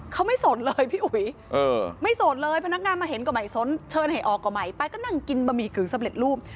เขาไม่สนเลยพี่อุ๋ยไม่สนเลยพนักงานมาเห็นก็ไม่สนเชิญให้ออกก็ใหม่ไปก็นั่งกินบะหมี่กึ่งสำเร็จรูป